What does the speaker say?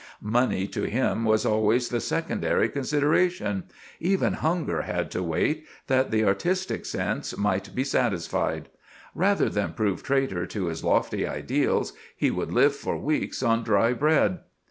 Money to him was always the secondary consideration; even hunger had to wait, that the artistic sense might be satisfied. Rather than prove traitor to his lofty ideals, he would live for weeks on dry bread.